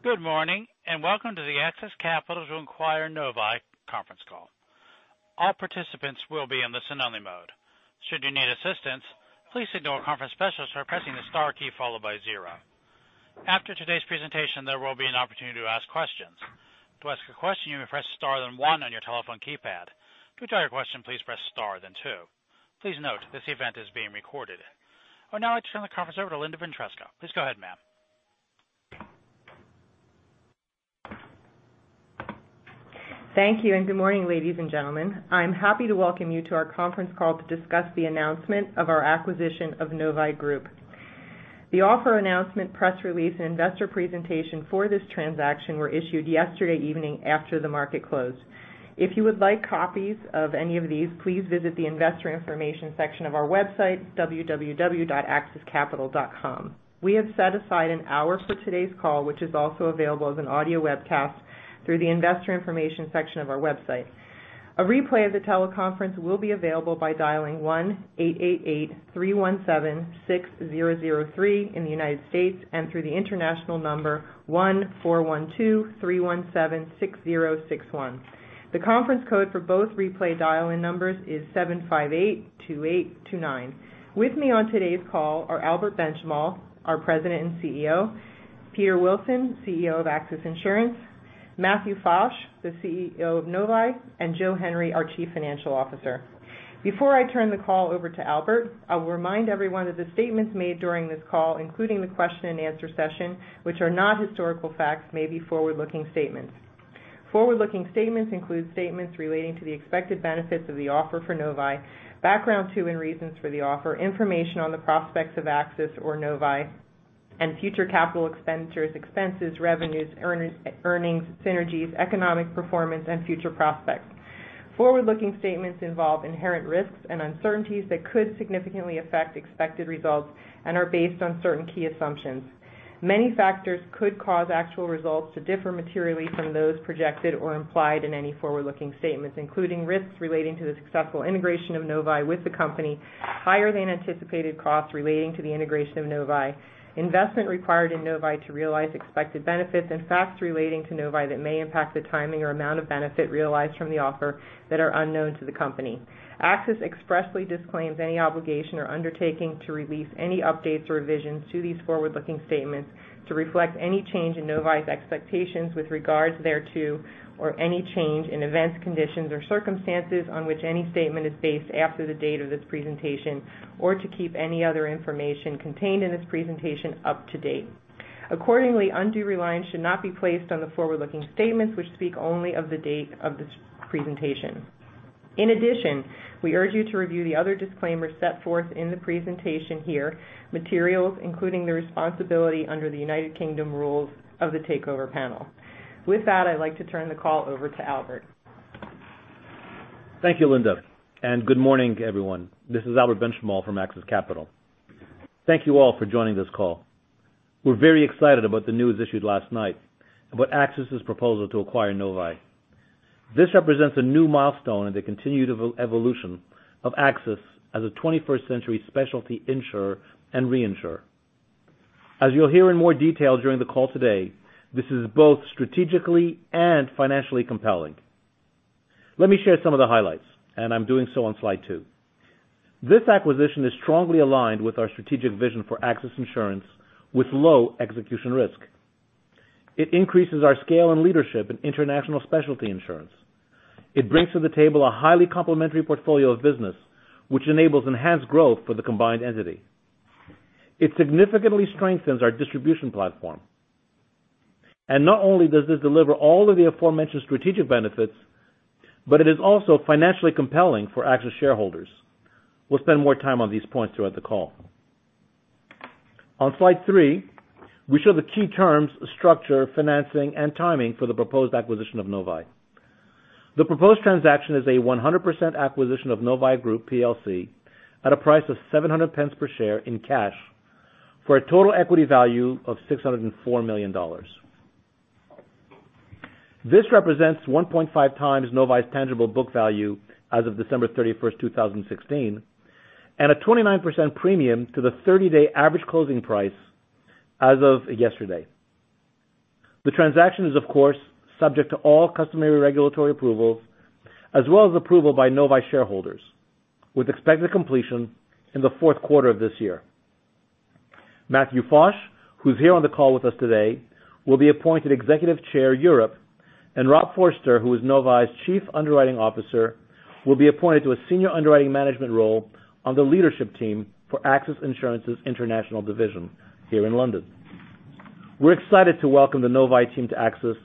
Good morning, and welcome to the AXIS Capital to acquire Novae conference call. All participants will be in listen-only mode. Should you need assistance, please signal a conference specialist by pressing the star key followed by zero. After today's presentation, there will be an opportunity to ask questions. To ask a question, you may press star, then one on your telephone keypad. To withdraw your question, please press star, then two. Please note, this event is being recorded. I would now like to turn the conference over to Linda Ventresca. Please go ahead, ma'am. Thank you, good morning, ladies and gentlemen. I am happy to welcome you to our conference call to discuss the announcement of our acquisition of Novae Group. The offer announcement, press release, and investor presentation for this transaction were issued yesterday evening after the market closed. If you would like copies of any of these, please visit the investor information section of our website, www.axiscapital.com. We have set aside an hour for today's call, which is also available as an audio webcast through the investor information section of our website. A replay of the teleconference will be available by dialing 1-888-317-6003 in the United States and through the international number 1-412-317-6061. The conference code for both replay dial-in numbers is 7582829. With me on today's call are Albert Benchimol, our President and CEO; Peter Wilson, CEO of AXIS Insurance; Matthew Fosh, the CEO of Novae; and Joe Henry, our Chief Financial Officer. Before I turn the call over to Albert, I will remind everyone that the statements made during this call, including the question and answer session, which are not historical facts, may be forward-looking statements. Forward-looking statements include statements relating to the expected benefits of the offer for Novae, background to and reasons for the offer, information on the prospects of AXIS or Novae and future capital expenditures, expenses, revenues, earnings, synergies, economic performance, and future prospects. Forward-looking statements involve inherent risks and uncertainties that could significantly affect expected results and are based on certain key assumptions. Many factors could cause actual results to differ materially from those projected or implied in any forward-looking statements, including risks relating to the successful integration of Novae with the company, higher than anticipated costs relating to the integration of Novae, investment required in Novae to realize expected benefits, and facts relating to Novae that may impact the timing or amount of benefit realized from the offer that are unknown to the company. AXIS expressly disclaims any obligation or undertaking to release any updates or revisions to these forward-looking statements to reflect any change in Novae's expectations with regards thereto, or any change in events, conditions, or circumstances on which any statement is based after the date of this presentation, or to keep any other information contained in this presentation up to date. Accordingly, undue reliance should not be placed on the forward-looking statements which speak only of the date of this presentation. In addition, we urge you to review the other disclaimers set forth in the presentation here, materials including the responsibility under the United Kingdom rules of The Takeover Panel. With that, I'd like to turn the call over to Albert. Thank you, Linda, good morning, everyone. This is Albert Benchimol from AXIS Capital. Thank you all for joining this call. We're very excited about the news issued last night about AXIS' proposal to acquire Novae. This represents a new milestone in the continued evolution of AXIS as a 21st-century specialty insurer and reinsurer. As you'll hear in more detail during the call today, this is both strategically and financially compelling. Let me share some of the highlights, and I'm doing so on slide two. This acquisition is strongly aligned with our strategic vision for AXIS Insurance with low execution risk. It increases our scale and leadership in international specialty insurance. It brings to the table a highly complementary portfolio of business, which enables enhanced growth for the combined entity. It significantly strengthens our distribution platform. Not only does this deliver all of the aforementioned strategic benefits, but it is also financially compelling for AXIS shareholders. We'll spend more time on these points throughout the call. On slide three, we show the key terms, structure, financing, and timing for the proposed acquisition of Novae. The proposed transaction is a 100% acquisition of Novae Group PLC at a price of 7.00 per share in cash for a total equity value of $604 million. This represents 1.5x Novae's tangible book value as of December 31st, 2016, and a 29% premium to the 30-day average closing price as of yesterday. The transaction is, of course, subject to all customary regulatory approvals as well as approval by Novae shareholders, with expected completion in the fourth quarter of this year. Matthew Fosh, who's here on the call with us today, will be appointed Executive Chair, Europe, and Rob Forster, who is Novae's Chief Underwriting Officer, will be appointed to a senior underwriting management role on the leadership team for AXIS Insurance's international division here in London. We're excited to welcome the Novae team to AXIS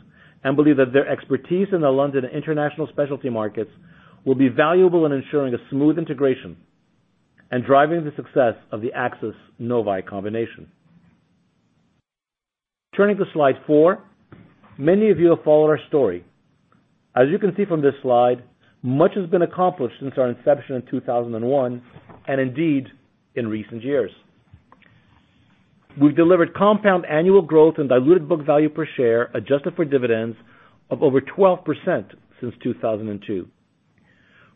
and believe that their expertise in the London and international specialty markets will be valuable in ensuring a smooth integration and driving the success of the AXIS-Novae combination. Turning to slide four. Many of you have followed our story. As you can see from this slide, much has been accomplished since our inception in 2001, and indeed, in recent years. We've delivered compound annual growth in diluted book value per share, adjusted for dividends, of over 12% since 2002.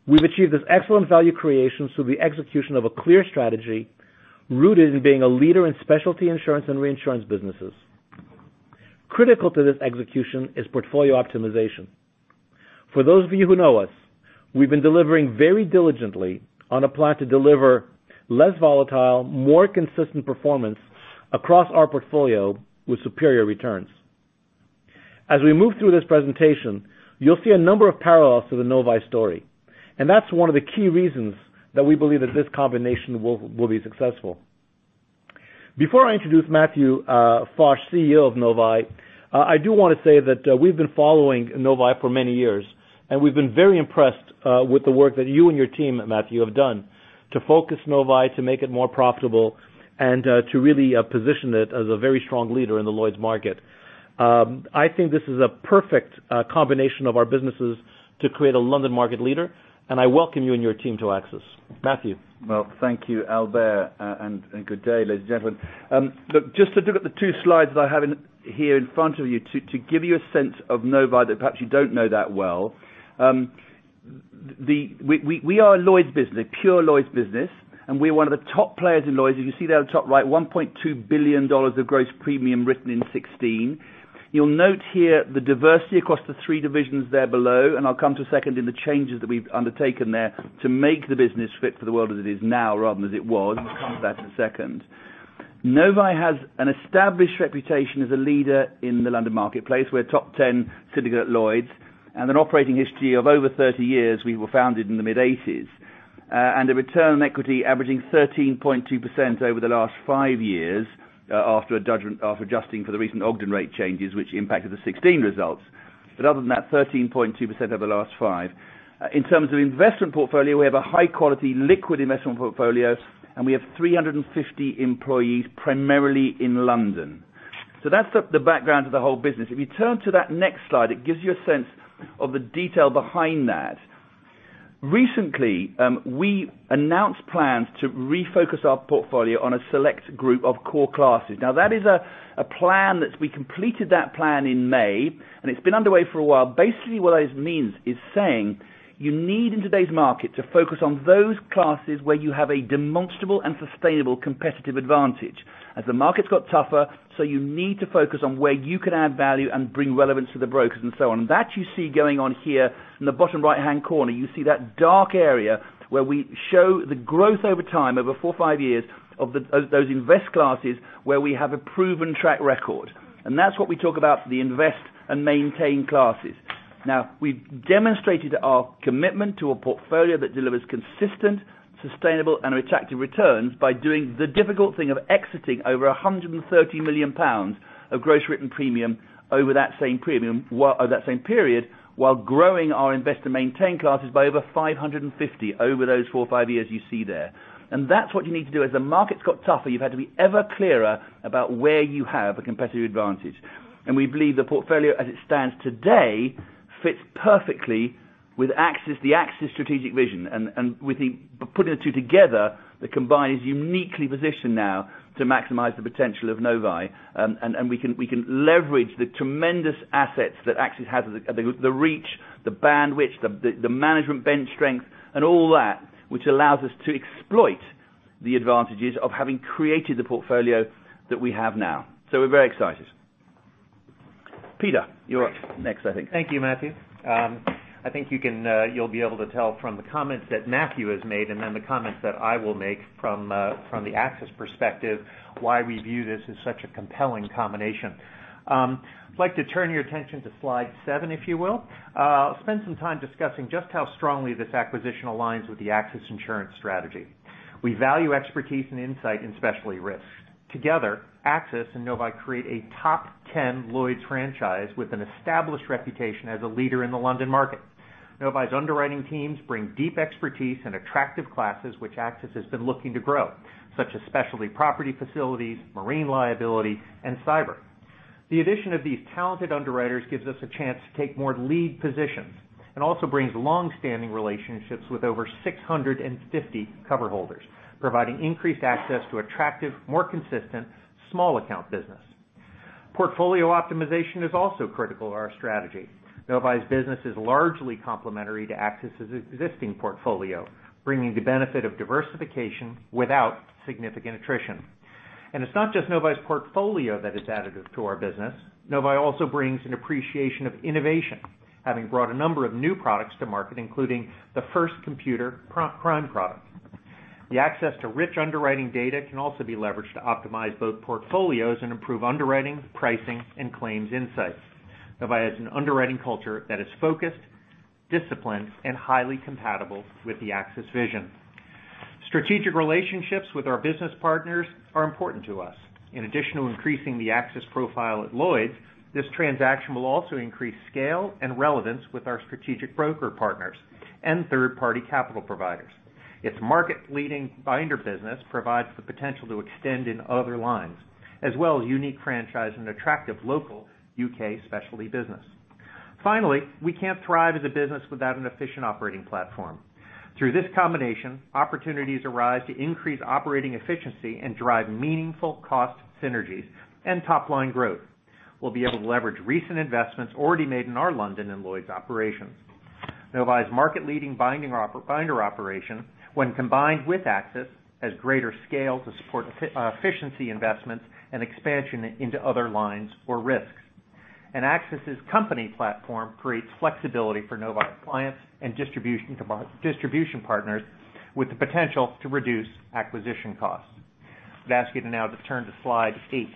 We've achieved this excellent value creation through the execution of a clear strategy rooted in being a leader in specialty insurance and reinsurance businesses. Critical to this execution is portfolio optimization. For those of you who know us, we've been delivering very diligently on a plan to deliver less volatile, more consistent performance across our portfolio with superior returns. As we move through this presentation, you'll see a number of parallels to the Novae story, and that's one of the key reasons that we believe that this combination will be successful. Before I introduce Matthew Fosh, CEO of Novae, I do want to say that we've been following Novae for many years, and we've been very impressed with the work that you and your team, Matthew, have done to focus Novae, to make it more profitable, and to really position it as a very strong leader in the Lloyd's market. I think this is a perfect combination of our businesses to create a London market leader. I welcome you and your team to AXIS. Matthew? Well, thank you, Albert. Good day, ladies and gentlemen. Look, just to look at the two slides that I have here in front of you to give you a sense of Novae that perhaps you don't know that well. We are a pure Lloyd's business. We're one of the top players in Lloyd's. You can see there on the top right, $1.2 billion of gross premium written in 2016. You'll note here the diversity across the three divisions there below. I'll come to a second in the changes that we've undertaken there to make the business fit for the world as it is now, rather than as it was. I'll come to that in a second. Novae has an established reputation as a leader in the London marketplace. We're a top 10 syndicate at Lloyd's, an operating history of over 30 years. We were founded in the mid-1980s. A return on equity averaging 13.2% over the last five years, after adjusting for the recent Ogden rate changes, which impacted the 2016 results. Other than that, 13.2% over the last five. In terms of investment portfolio, we have a high-quality liquid investment portfolio. We have 350 employees, primarily in London. That's the background of the whole business. If you turn to that next slide, it gives you a sense of the detail behind that. Recently, we announced plans to refocus our portfolio on a select group of core classes. Now, that is a plan that we completed that plan in May. It's been underway for a while. Basically what that means is saying you need, in today's market, to focus on those classes where you have a demonstrable and sustainable competitive advantage. As the market's got tougher, you need to focus on where you can add value and bring relevance to the brokers and so on. That you see going on here in the bottom right-hand corner. You see that dark area where we show the growth over time, over four, five years of those invest classes where we have a proven track record. That's what we talk about for the invest and maintain classes. Now, we've demonstrated our commitment to a portfolio that delivers consistent, sustainable and attractive returns by doing the difficult thing of exiting over 130 million pounds of gross written premium over that same period, while growing our invest and maintain classes by over 550 over those four or five years you see there. That's what you need to do. As the market's got tougher, you've had to be ever clearer about where you have a competitive advantage. We believe the portfolio as it stands today fits perfectly with the AXIS strategic vision. With putting the two together, the combined is uniquely positioned now to maximize the potential of Novae, and we can leverage the tremendous assets that AXIS has, the reach, the bandwidth, the management bench strength and all that, which allows us to exploit the advantages of having created the portfolio that we have now. We're very excited. Peter, you're up next, I think. Thank you, Matthew. I think you'll be able to tell from the comments that Matthew has made, then the comments that I will make from the AXIS perspective, why we view this as such a compelling combination. I'd like to turn your attention to slide seven, if you will. I'll spend some time discussing just how strongly this acquisition aligns with the AXIS Insurance strategy. We value expertise and insight in specialty risks. Together, AXIS and Novae create a top 10 Lloyd's franchise with an established reputation as a leader in the London market. Novae's underwriting teams bring deep expertise and attractive classes which AXIS has been looking to grow, such as specialty property facilities, marine liability and cyber. The addition of these talented underwriters gives us a chance to take more lead positions and also brings long-standing relationships with over 650 coverholders, providing increased access to attractive, more consistent small account business. Portfolio optimization is also critical to our strategy. Novae's business is largely complementary to AXIS' existing portfolio, bringing the benefit of diversification without significant attrition. It's not just Novae's portfolio that is additive to our business. Novae also brings an appreciation of innovation, having brought a number of new products to market, including the first computer crime product. The access to rich underwriting data can also be leveraged to optimize both portfolios and improve underwriting, pricing, and claims insights. Novae has an underwriting culture that is focused, disciplined, and highly compatible with the AXIS vision. Strategic relationships with our business partners are important to us. In addition to increasing the AXIS profile at Lloyd's, this transaction will also increase scale and relevance with our strategic broker partners and third-party capital providers. Its market-leading binder business provides the potential to extend in other lines, as well as unique franchise and attractive local U.K. specialty business. Finally, we can't thrive as a business without an efficient operating platform. Through this combination, opportunities arise to increase operating efficiency and drive meaningful cost synergies and top-line growth. We'll be able to leverage recent investments already made in our London and Lloyd's operations. Novae's market-leading binder operation, when combined with AXIS, has greater scale to support efficiency investments and expansion into other lines or risks. AXIS' company platform creates flexibility for Novae clients and distribution partners with the potential to reduce acquisition costs. I'd ask you now to turn to slide eight.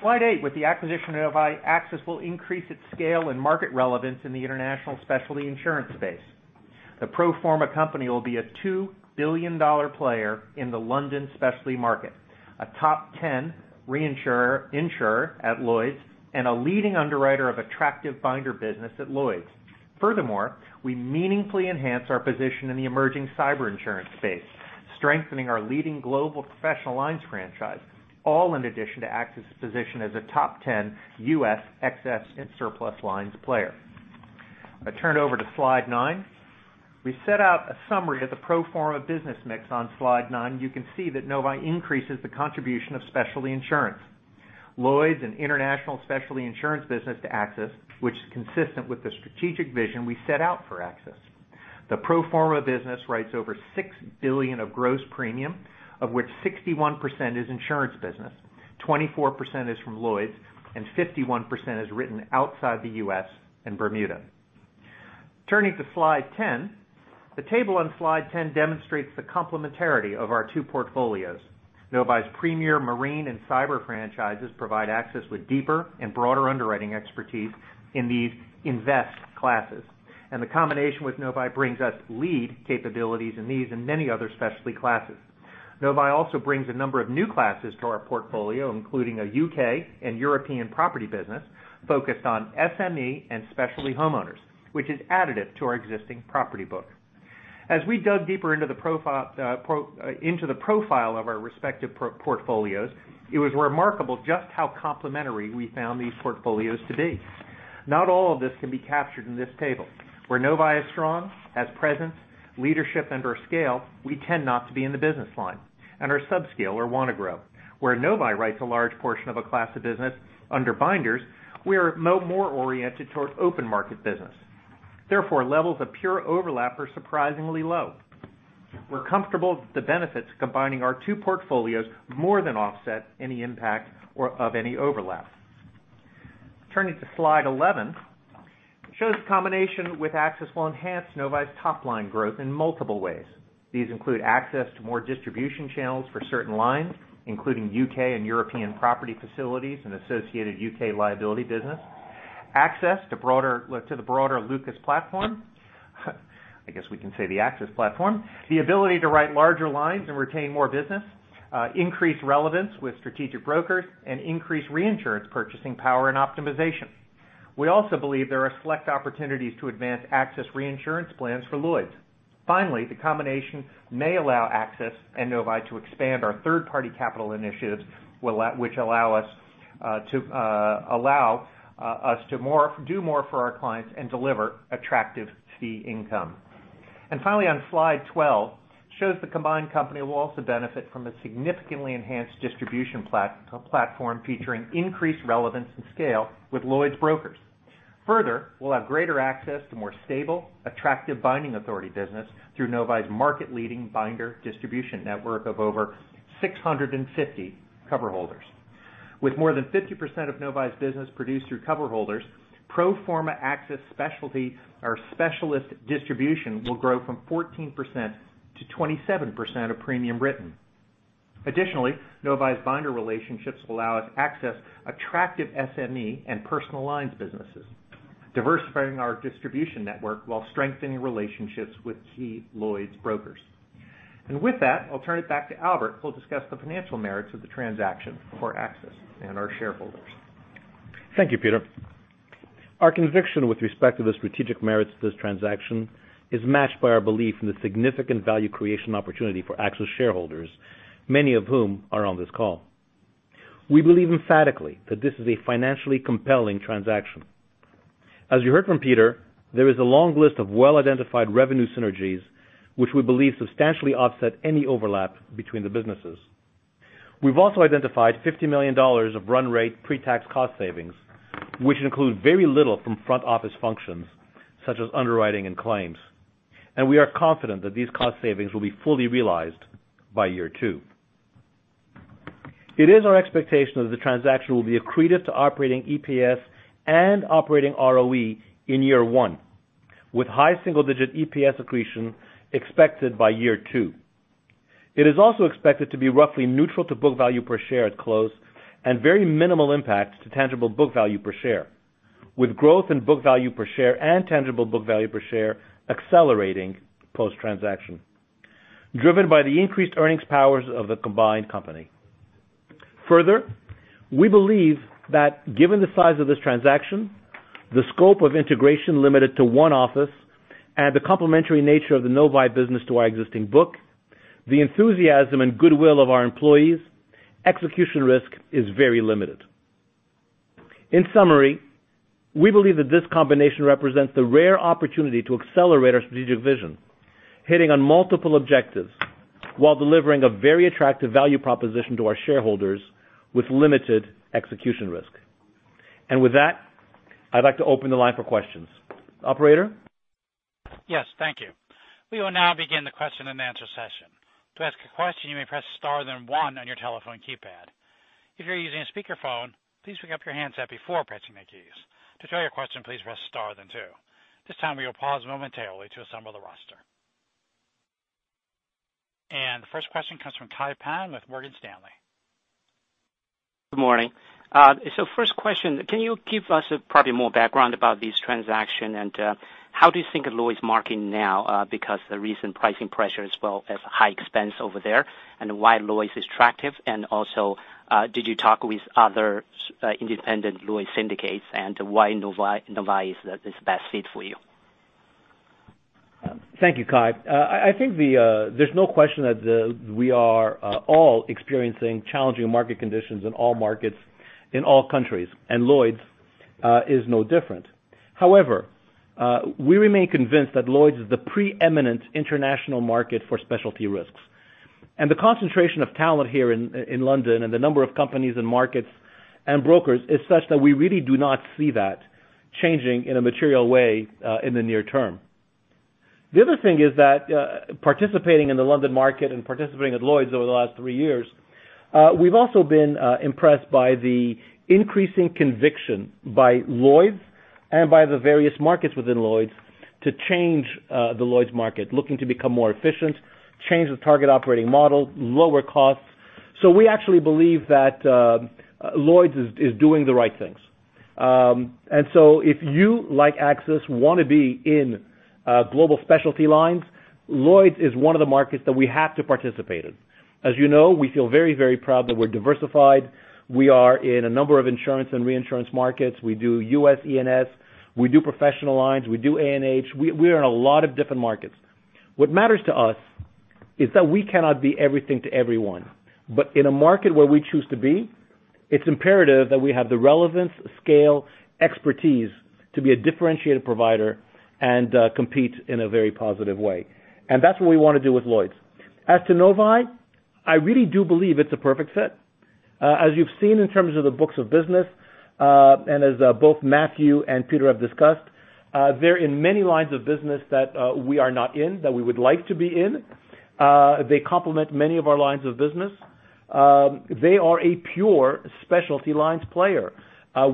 Slide eight, with the acquisition of Novae, AXIS will increase its scale and market relevance in the international specialty insurance space. The pro forma company will be a $2 billion player in the London specialty market, a top 10 reinsurer, insurer at Lloyd's, and a leading underwriter of attractive binder business at Lloyd's. Furthermore, we meaningfully enhance our position in the emerging cyber insurance space, strengthening our leading global professional lines franchise, all in addition to AXIS' position as a top 10 U.S. excess and surplus lines player. I turn it over to slide nine. We set out a summary of the pro forma business mix on slide nine. You can see that Novae increases the contribution of specialty insurance. Lloyd's an international specialty insurance business to AXIS, which is consistent with the strategic vision we set out for AXIS. The pro forma business writes over $6 billion of gross premium, of which 61% is insurance business, 24% is from Lloyd's, and 51% is written outside the U.S. and Bermuda. Turning to slide 10. The table on slide 10 demonstrates the complementarity of our two portfolios. Novae's premier marine and cyber franchises provide AXIS with deeper and broader underwriting expertise in these invest classes, and the combination with Novae brings us lead capabilities in these and many other specialty classes. Novae also brings a number of new classes to our portfolio, including a U.K. and European property business focused on SME and specialty homeowners, which is additive to our existing property book. As we dug deeper into the profile of our respective portfolios, it was remarkable just how complementary we found these portfolios to be. Not all of this can be captured in this table. Where Novae is strong, has presence, leadership, and/or scale, we tend not to be in the business line and are subscale or want to grow. Where Novae writes a large portion of a class of business under binders, we are more oriented towards open market business. Therefore, levels of pure overlap are surprisingly low. We're comfortable that the benefits combining our two portfolios more than offset any impact of any overlap. Turning to slide 11. It shows the combination with AXIS will enhance Novae's top-line growth in multiple ways. These include access to more distribution channels for certain lines, including U.K. and European property facilities and associated U.K. liability business, access to the broader Lucas platform. I guess we can say the AXIS platform. The ability to write larger lines and retain more business, increase relevance with strategic brokers, and increase reinsurance purchasing power and optimization. We also believe there are select opportunities to advance AXIS Reinsurance plans for Lloyd's. Finally, the combination may allow AXIS and Novae to expand our third-party capital initiatives, which allow us to do more for our clients and deliver attractive fee income. Finally, on slide 12, shows the combined company will also benefit from a significantly enhanced distribution platform featuring increased relevance and scale with Lloyd's brokers. Further, we'll have greater access to more stable, attractive binding authority business through Novae's market-leading binder distribution network of over 650 coverholders. With more than 50% of Novae's business produced through coverholders, pro forma AXIS specialty or specialist distribution will grow from 14% to 27% of premium written. Novae's binder relationships will allow us access attractive SME and personal lines businesses, diversifying our distribution network while strengthening relationships with key Lloyd's brokers. With that, I'll turn it back to Albert, who will discuss the financial merits of the transaction for AXIS and our shareholders. Thank you, Peter. Our conviction with respect to the strategic merits of this transaction is matched by our belief in the significant value creation opportunity for AXIS shareholders, many of whom are on this call. We believe emphatically that this is a financially compelling transaction. As you heard from Peter, there is a long list of well-identified revenue synergies which we believe substantially offset any overlap between the businesses. We've also identified $50 million of run rate pre-tax cost savings, which include very little from front-office functions such as underwriting and claims. We are confident that these cost savings will be fully realized by year two. It is our expectation that the transaction will be accretive to operating EPS and operating ROE in year one, with high single-digit EPS accretion expected by year two. It is also expected to be roughly neutral to book value per share at close and very minimal impact to tangible book value per share, with growth in book value per share and tangible book value per share accelerating post-transaction, driven by the increased earnings powers of the combined company. Further, we believe that given the size of this transaction, the scope of integration limited to one office, and the complementary nature of the Novae business to our existing book, the enthusiasm and goodwill of our employees, execution risk is very limited. In summary, we believe that this combination represents the rare opportunity to accelerate our strategic vision, hitting on multiple objectives while delivering a very attractive value proposition to our shareholders with limited execution risk. With that, I'd like to open the line for questions. Operator? Yes. Thank you. We will now begin the question and answer session. To ask a question, you may press star then one on your telephone keypad. If you are using a speakerphone, please pick up your handset before pressing the keys. To withdraw your question, please press star then two. Just a moment, we will pause momentarily to assemble the roster. The first question comes from Kai Pan with Morgan Stanley. Good morning. First question, can you give us probably more background about this transaction, and how do you think of Lloyd's market now because of the recent pricing pressure as well as high expense over there, and why Lloyd's is attractive, and also did you talk with other independent Lloyd's syndicates, and why Novae is the best fit for you? Thank you, Kai. I think there is no question that we are all experiencing challenging market conditions in all markets in all countries. Lloyd's is no different. However, we remain convinced that Lloyd's is the preeminent international market for specialty risks. The concentration of talent here in London and the number of companies and markets and brokers is such that we really do not see that changing in a material way in the near term. The other thing is that participating in the London market and participating at Lloyd's over the last three years, we have also been impressed by the increasing conviction by Lloyd's and by the various markets within Lloyd's to change the Lloyd's market, looking to become more efficient, change the target operating model, lower costs. We actually believe that Lloyd's is doing the right things. If you, like AXIS, want to be in global specialty lines, Lloyd's is one of the markets that we have to participate in. As you know, we feel very proud that we are diversified. We are in a number of insurance and reinsurance markets. We do U.S. E&S, we do professional lines, we do A&H. We are in a lot of different markets. What matters to us is that we cannot be everything to everyone. In a market where we choose to be, it is imperative that we have the relevance, scale, expertise to be a differentiated provider and compete in a very positive way. That is what we want to do with Lloyd's. As to Novae, I really do believe it is a perfect fit. As you've seen in terms of the books of business, as both Matthew and Peter have discussed, they're in many lines of business that we are not in, that we would like to be in. They complement many of our lines of business. They are a pure specialty lines player.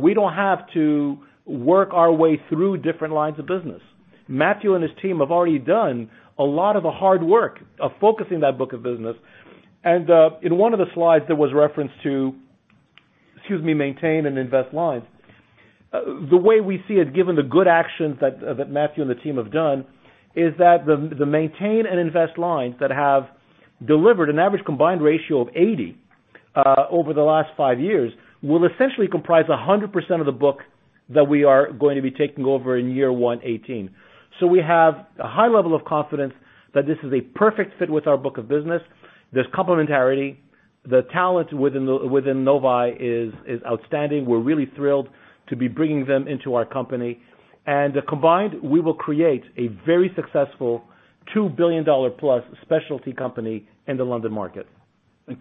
We don't have to work our way through different lines of business. Matthew and his team have already done a lot of the hard work of focusing that book of business. In one of the slides there was reference to maintain and invest lines. The way we see it, given the good actions that Matthew and the team have done, is that the maintain and invest lines that have delivered an average combined ratio of 80 over the last five years will essentially comprise 100% of the book that we are going to be taking over in year 2018. We have a high level of confidence that this is a perfect fit with our book of business. There's complementarity. The talent within Novae is outstanding. We're really thrilled to be bringing them into our company. Combined, we will create a very successful $2 billion plus specialty company in the London market.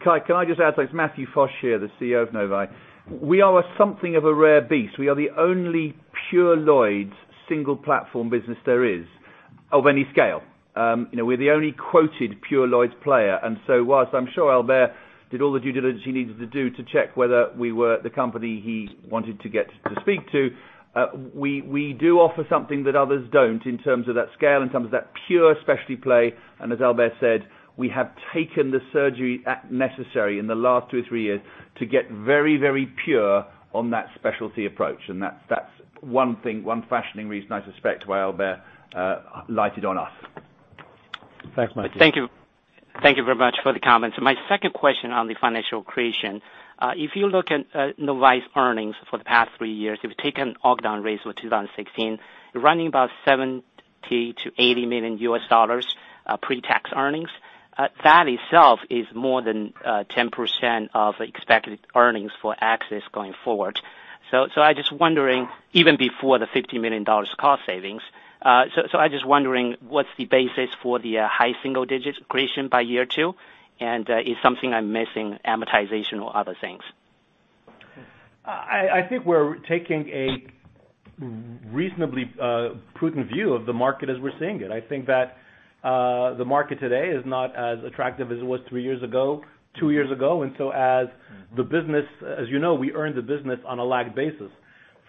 Kai, can I just add to that? It's Matthew Fosh here, the CEO of Novae. We are something of a rare beast. We are the only pure Lloyd's single platform business there is of any scale. We're the only quoted pure Lloyd's player, so whilst I'm sure Albert did all the due diligence he needed to do to check whether we were the company he wanted to get to speak to, we do offer something that others don't in terms of that scale, in terms of that pure specialty play, and as Albert said, we have taken the surgery necessary in the last two or three years to get very pure on that specialty approach. That's one fashioning reason I suspect why Albert lighted on us. Thanks, Matthew. Thank you. Thank you very much for the comments. My second question on the financial accretion. If you look at Novae's earnings for the past three years, if you take an Ogden rate for 2016, running about $70 million-$80 million US dollars pre-tax earnings. That itself is more than 10% of expected earnings for AXIS going forward. I'm just wondering, even before the $50 million cost savings, I'm just wondering what's the basis for the high single digits creation by year two, and is something I'm missing, amortization or other things? I think we're taking a reasonably prudent view of the market as we're seeing it. I think that the market today is not as attractive as it was three years ago, two years ago, as you know, we earned the business on a lagged basis.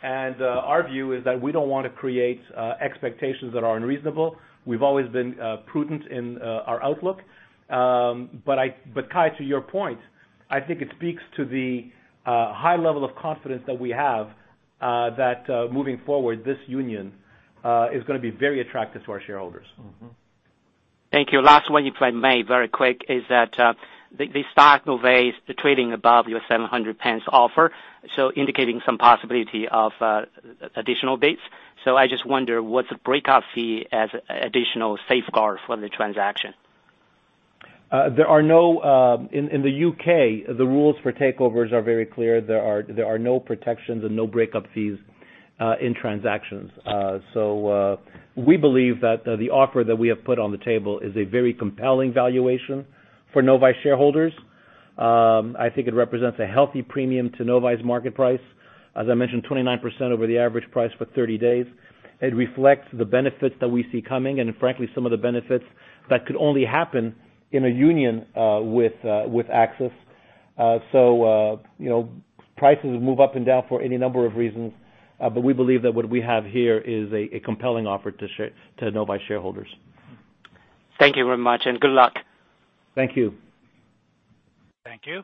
Our view is that we don't want to create expectations that are unreasonable. We've always been prudent in our outlook. Kai, to your point, I think it speaks to the high level of confidence that we have that moving forward, this union is going to be very attractive to our shareholders. Thank you. Last one, if I may, very quick, is that the stock Novae is trading above your 700 offer, indicating some possibility of additional bids. I just wonder what's the breakup fee as additional safeguard for the transaction? In the U.K., the rules for takeovers are very clear. There are no protections and no breakup fees in transactions. We believe that the offer that we have put on the table is a very compelling valuation for Novae shareholders. I think it represents a healthy premium to Novae's market price. As I mentioned, 29% over the average price for 30 days. It reflects the benefits that we see coming, frankly, some of the benefits that could only happen in a union with AXIS. Prices move up and down for any number of reasons. We believe that what we have here is a compelling offer to Novae shareholders. Thank you very much, good luck. Thank you. Thank you.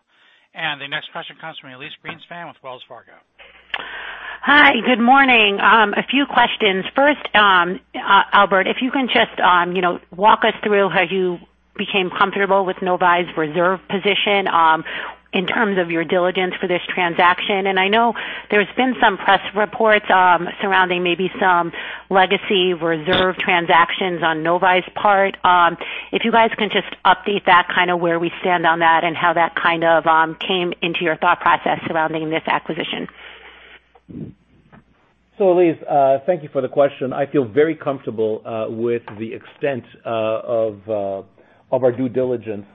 The next question comes from Elyse Greenspan with Wells Fargo. Hi, good morning. A few questions. First, Albert, if you can just walk us through how you became comfortable with Novae's reserve position in terms of your diligence for this transaction. I know there's been some press reports surrounding maybe some legacy reserve transactions on Novae's part. If you guys can just update that, kind of where we stand on that, and how that kind of came into your thought process surrounding this acquisition. Elyse, thank you for the question. I feel very comfortable with the extent of our due diligence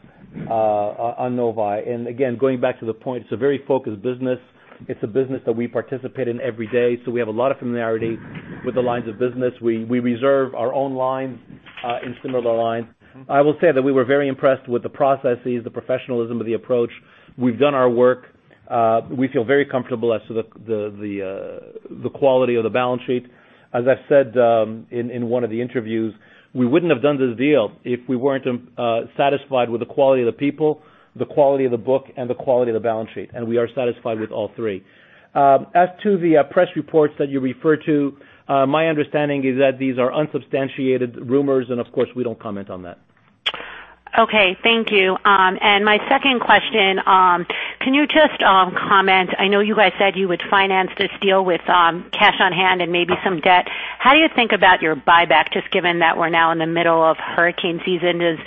on Novae. Again, going back to the point, it's a very focused business. It's a business that we participate in every day. We have a lot of familiarity with the lines of business. We reserve our own lines in similar lines. I will say that we were very impressed with the processes, the professionalism of the approach. We've done our work. We feel very comfortable as to the quality of the balance sheet. As I said in one of the interviews, we wouldn't have done this deal if we weren't satisfied with the quality of the people, the quality of the book, and the quality of the balance sheet, and we are satisfied with all three. As to the press reports that you refer to, my understanding is that these are unsubstantiated rumors, and of course, we don't comment on that. Okay. Thank you. My second question, can you just comment, I know you guys said you would finance this deal with cash on hand and maybe some debt. How do you think about your buyback, just given that we're now in the middle of hurricane season? Does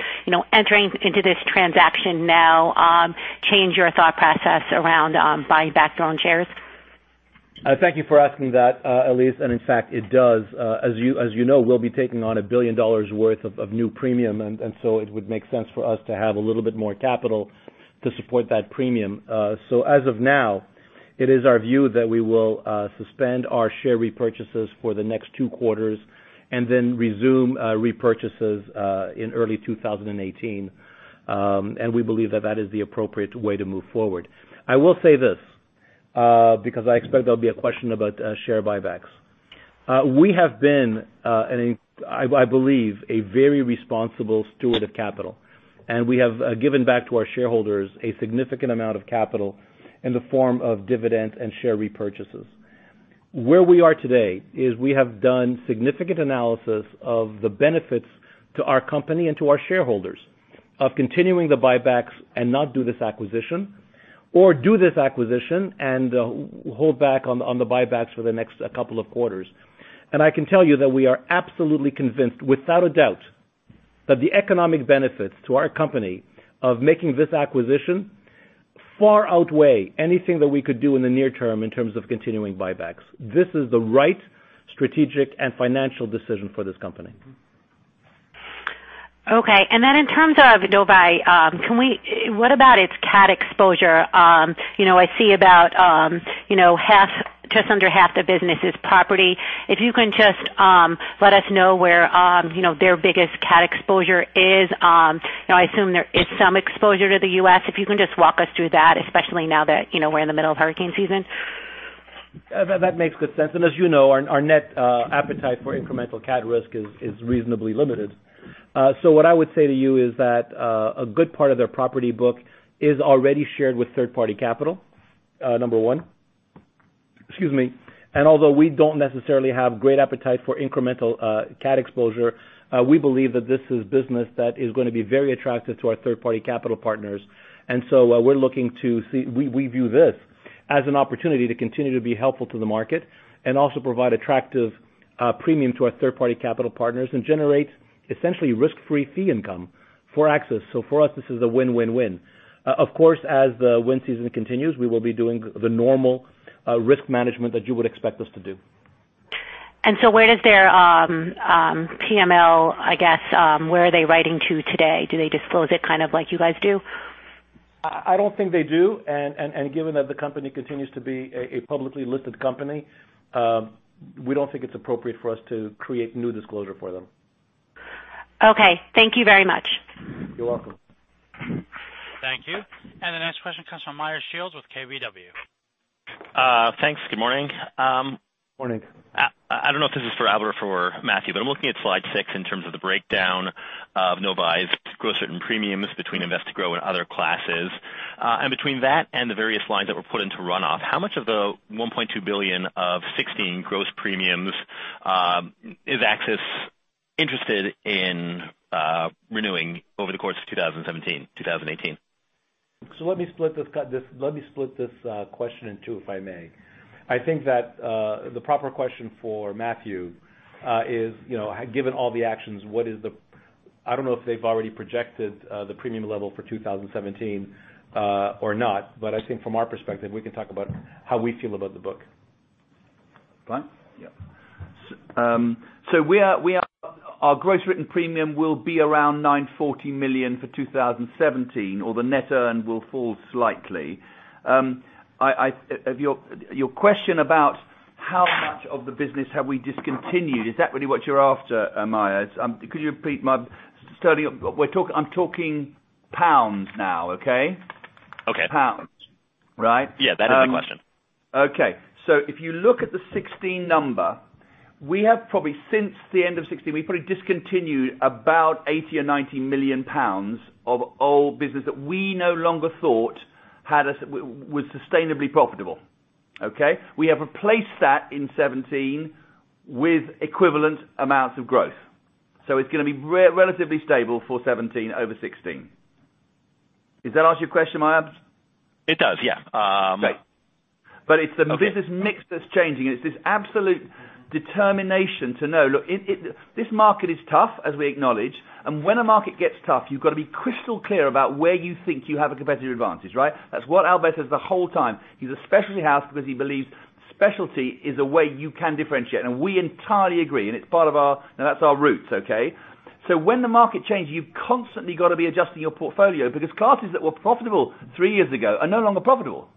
entering into this transaction now change your thought process around buying back your own shares? Thank you for asking that, Elyse. In fact, it does. As you know, we'll be taking on $1 billion worth of new premium, it would make sense for us to have a little bit more capital to support that premium. As of now, it is our view that we will suspend our share repurchases for the next two quarters resume repurchases in early 2018. We believe that that is the appropriate way to move forward. I will say this, because I expect there'll be a question about share buybacks. We have been I believe, a very responsible steward of capital, and we have given back to our shareholders a significant amount of capital in the form of dividends and share repurchases. Where we are today is we have done significant analysis of the benefits to our company and to our shareholders of continuing the buybacks and not do this acquisition or do this acquisition and hold back on the buybacks for the next couple of quarters. I can tell you that we are absolutely convinced, without a doubt, that the economic benefits to our company of making this acquisition far outweigh anything that we could do in the near term in terms of continuing buybacks. This is the right strategic and financial decision for this company. Okay. Then in terms of Novae, what about its cat exposure? I see about just under half the business is property. If you can just let us know where their biggest cat exposure is. I assume there is some exposure to the U.S. If you can just walk us through that, especially now that we're in the middle of hurricane season. That makes good sense. As you know, our net appetite for incremental cat risk is reasonably limited. What I would say to you is that a good part of their property book is already shared with third party capital, number 1. Excuse me. Although we don't necessarily have great appetite for incremental cat exposure, we believe that this is business that is going to be very attractive to our third party capital partners. We view this as an opportunity to continue to be helpful to the market and also provide attractive premium to our third party capital partners and generate essentially risk-free fee income for AXIS. For us, this is a win-win-win. Of course, as the wind season continues, we will be doing the normal risk management that you would expect us to do. Where does their PML, I guess where are they writing to today? Do they disclose it kind of like you guys do? I don't think they do. Given that the company continues to be a publicly listed company we don't think it's appropriate for us to create new disclosure for them. Okay. Thank you very much. You're welcome. Thank you. The next question comes from Meyer Shields with KBW. Thanks. Good morning. Morning. Between that and the various lines that were put into runoff, how much of the $1.2 billion of 2016 gross premiums is AXIS interested in renewing over the course of 2017, 2018? Let me split this question in two, if I may. I think that the proper question for Matthew is, given all the actions, I don't know if they've already projected the premium level for 2017 or not. I think from our perspective, we can talk about how we feel about the book. Fine. Yeah. Our gross written premium will be around 940 million for 2017, or the net earn will fall slightly. Your question about how much of the business have we discontinued, is that really what you're after, Meyer? Could you repeat? I'm talking pounds now, okay? Okay. GBP. Right? Yeah, that is the question. Okay. If you look at the 2016 number, we have probably since the end of 2016, we probably discontinued about 80 million or 90 million pounds of old business that we no longer thought was sustainably profitable. Okay? We have replaced that in 2017 with equivalent amounts of growth. It's going to be relatively stable for 2017 over 2016. Does that answer your question, Mayab? It does, yeah. Great. It's the business mix that's changing, and it's this absolute determination to know. Look, this market is tough, as we acknowledge. When a market gets tough, you've got to be crystal clear about where you think you have a competitive advantage, right? That's what Albert says the whole time. He's a specialty house because he believes specialty is a way you can differentiate, and we entirely agree, and that's our roots, okay? When the market changes, you've constantly got to be adjusting your portfolio because classes that were profitable three years ago are no longer profitable, right?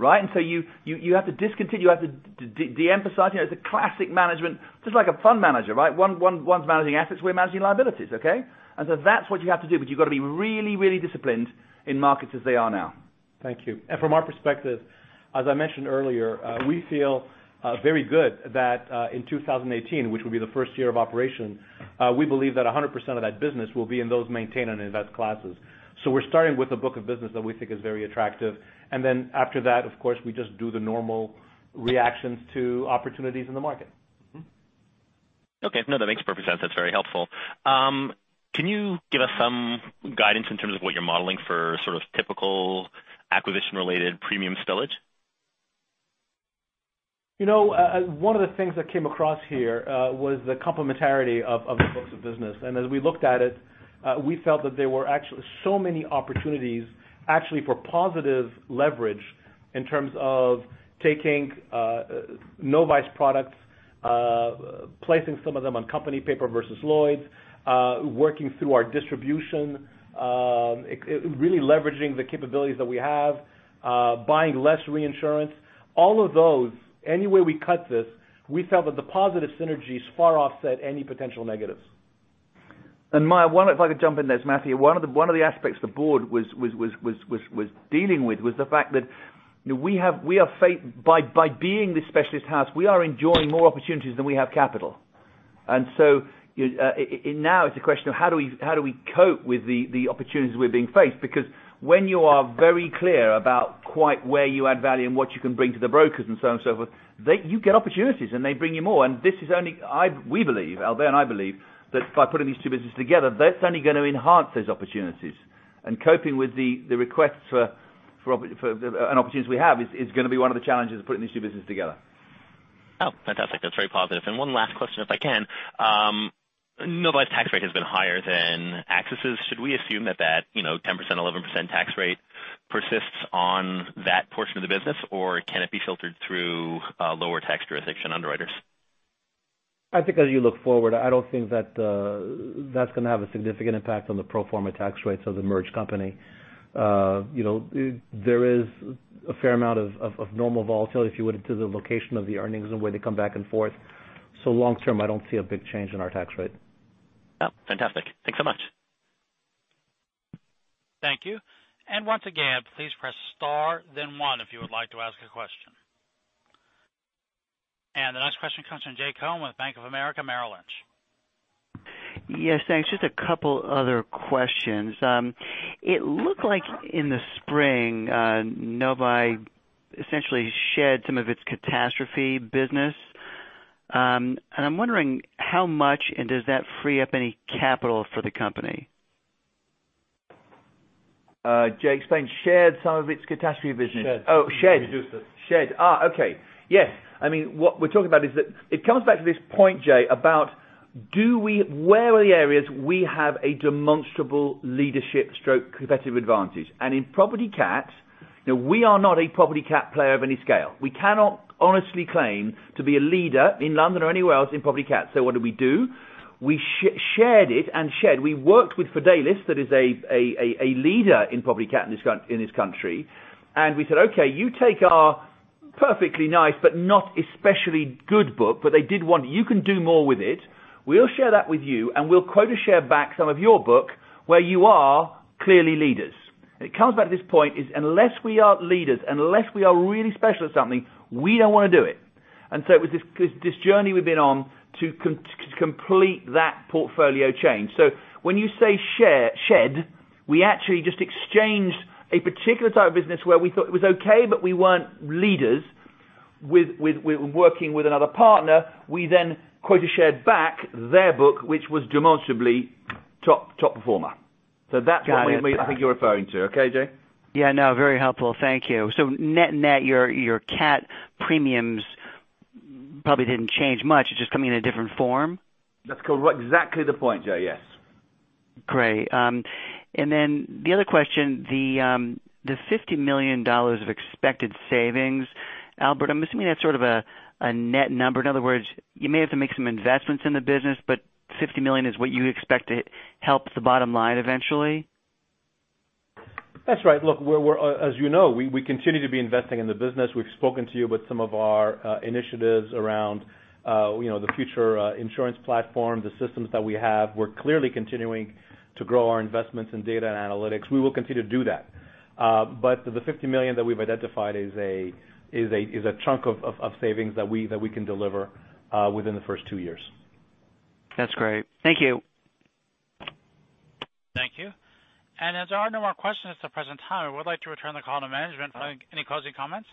You have to discontinue, you have to de-emphasize. It's the classic management, just like a fund manager, right? One's managing assets, we're managing liabilities, okay? That's what you have to do. You've got to be really disciplined in markets as they are now. Thank you. From our perspective, as I mentioned earlier, we feel very good that in 2018, which will be the first year of operation, we believe that 100% of that business will be in those maintain and invest classes. We're starting with a book of business that we think is very attractive. After that, of course, we just do the normal reactions to opportunities in the market. Okay. No, that makes perfect sense. That's very helpful. Can you give us some guidance in terms of what you're modeling for typical acquisition-related premium spillage? One of the things that came across here was the complementarity of the books of business. As we looked at it, we felt that there were so many opportunities actually for positive leverage in terms of taking Novae products, placing some of them on company paper versus Lloyd's, working through our distribution, really leveraging the capabilities that we have, buying less reinsurance. All of those, any way we cut this, we felt that the positive synergies far offset any potential negatives. Mayab, if I could jump in there as Matthew, one of the aspects the board was dealing with was the fact that by being this specialist house, we are enjoying more opportunities than we have capital. Now it's a question of how do we cope with the opportunities we're being faced? Because when you are very clear about quite where you add value and what you can bring to the brokers and so on and so forth, you get opportunities and they bring you more. We believe, Albert and I believe, that by putting these two businesses together, that's only going to enhance those opportunities. Coping with the requests for an opportunity we have is going to be one of the challenges of putting these two businesses together. Oh, fantastic. That's very positive. One last question, if I can. Novae's tax rate has been higher than AXIS's. Should we assume that that 10%, 11% tax rate persists on that portion of the business? Or can it be filtered through lower tax jurisdiction underwriters? I think as you look forward, I don't think that's going to have a significant impact on the pro forma tax rates of the merged company. There is a fair amount of normal volatility, if you would, to the location of the earnings and way they come back and forth. Long term, I don't see a big change in our tax rate. Oh, fantastic. Thanks so much. Thank you. Once again, please press star then one if you would like to ask a question. The next question comes from Jay Cohen with Bank of America Merrill Lynch. Yes, thanks. Just a couple other questions. It looked like in the spring, Novae essentially shed some of its catastrophe business. I'm wondering how much, and does that free up any capital for the company? Jay, explain. Shed some of its catastrophe business. Shed. Oh, shed. Reduced it. Shed. Okay. Yes. What we're talking about is that it comes back to this point, Jay, about where are the areas we have a demonstrable leadership stroke competitive advantage? In property catastrophe, we are not a property catastrophe player of any scale. We cannot honestly claim to be a leader in London or anywhere else in property catastrophe. What do we do? We shared it and shed. We worked with Fidelis, that is a leader in property catastrophe in this country. We said, "Okay, you take our perfectly nice but not especially good book," but they did one. "You can do more with it. We'll share that with you, and we'll quote a share back some of your book where you are clearly leaders." It comes back to this point, is unless we are leaders, unless we are really special at something, we don't want to do it. It was this journey we've been on to complete that portfolio change. When you say shed, we actually just exchanged a particular type of business where we thought it was okay, but we weren't leaders. Working with another partner, we then quoted shared back their book, which was demonstrably top performer. That's what I think you're referring to. Okay, Jay? Very helpful. Thank you. Net-net, your CAT premiums probably didn't change much. It's just coming in a different form? That's exactly the point, Jay. Yes. The other question, the $50 million of expected savings, Albert, I'm assuming that's sort of a net number. In other words, you may have to make some investments in the business, $50 million is what you expect to help the bottom line eventually? That's right. Look, as you know, we continue to be investing in the business. We've spoken to you about some of our initiatives around the future insurance platform, the systems that we have. We're clearly continuing to grow our investments in data and analytics. We will continue to do that. The $50 million that we've identified is a chunk of savings that we can deliver within the first two years. That's great. Thank you. Thank you. As there are no more questions at the present time, I would like to return the call to management for any closing comments.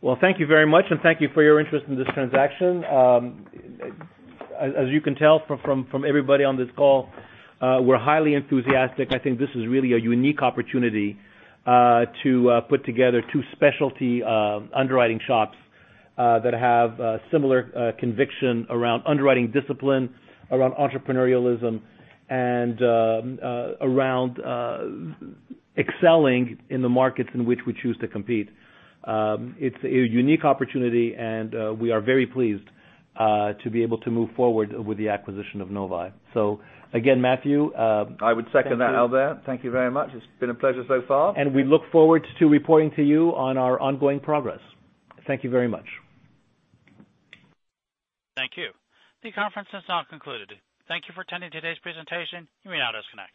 Well, thank you very much, and thank you for your interest in this transaction. As you can tell from everybody on this call, we're highly enthusiastic. I think this is really a unique opportunity to put together two specialty underwriting shops that have a similar conviction around underwriting discipline, around entrepreneurialism, and around excelling in the markets in which we choose to compete. It's a unique opportunity, and we are very pleased to be able to move forward with the acquisition of Novae. Again, Matthew. I would second that, Albert. Thank you very much. It's been a pleasure so far. We look forward to reporting to you on our ongoing progress. Thank you very much. Thank you. The conference is now concluded. Thank you for attending today's presentation. You may now disconnect.